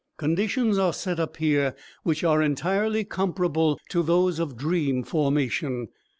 Conditions are set up here which are entirely comparable to those of dream formation.